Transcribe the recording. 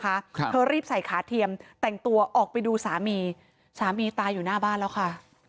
ครับเธอรีบใส่ขาเทียมแต่งตัวออกไปดูสามีสามีตายอยู่หน้าบ้านแล้วค่ะ